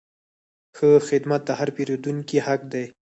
ښه خدمت د هر پیرودونکي حق دی.